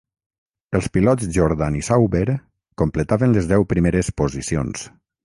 Els pilots Jordan i Sauber completaven les deu primeres posicions.